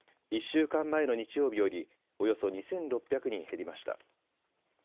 １週間前の日曜日よりおよそ２６００人減りました。